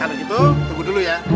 kalau gitu tunggu dulu ya